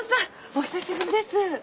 お久しぶりです。